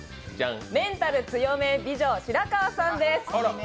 「メンタル強め美女白川さん」です。